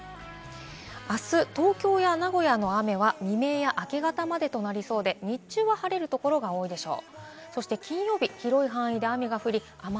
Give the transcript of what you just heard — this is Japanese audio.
あす東京や名古屋の雨は未明や明け方までとなりそうで、日中は晴れるところが多いでしょう。